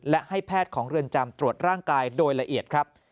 และให้แพทย์ของเรือนจำตรวจร่างกายโดยละเอียดครับ